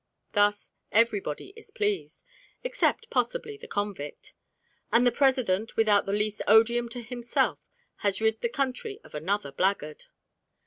Thus everybody is pleased, except possibly the convict, and the President, without the least odium to himself, has rid the country of another blackguard.